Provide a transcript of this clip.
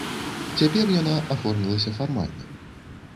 Цяпер яна аформілася фармальна.